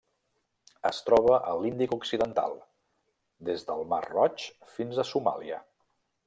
Es troba a l'Índic occidental: des del Mar Roig fins a Somàlia.